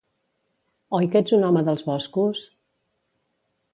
Oi que ets un home dels boscos?